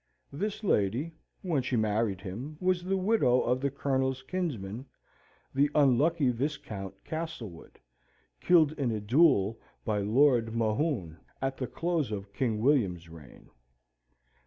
This lady, when she married him, was the widow of the Colonel's kinsman, the unlucky Viscount Castlewood, killed in a duel by Lord Mohun, at the close of King William's reign.